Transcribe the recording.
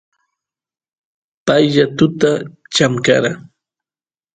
pay yakuta chamkara